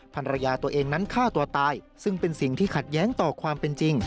ภรรยาตัวเองนั้นฆ่าตัวตายซึ่งเป็นสิ่งที่ขัดแย้งต่อความเป็นจริง